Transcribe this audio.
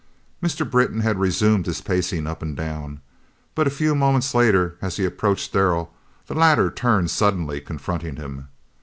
Mr. Britton had resumed his pacing up and down, but a few moments later, as he approached Darrell, the latter turned, suddenly confronting him.